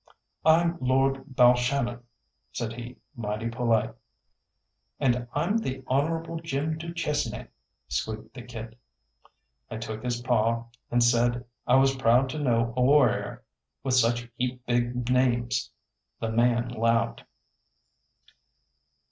"I'm Lord Balshannon," said he, mighty polite. "And I'm the Honourable Jim du Chesnay," squeaked the kid. I took his paw and said I was proud to know a warrior with such heap big names. The man laughed.